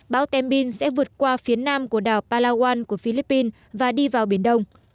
bão tembin sẽ vượt qua phía nam của đảo palawan của philippines và đi vào biển đông